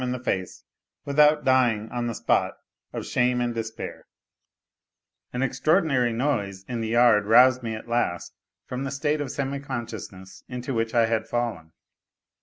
in the face without dying on the spot of shame and despair ? An extraordinary noise in the yard roused me at last from the state of semi consciousness into which I had fallen.